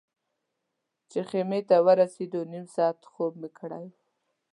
چې خیمې ته ورسېدو نیم ساعت خوب مې کړی و.